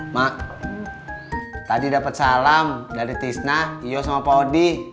mak tadi dapet salam dari tisna iyo sama paudi